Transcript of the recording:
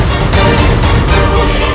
cepatlah temui dia